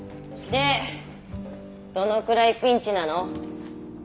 でどのくらいピンチなの？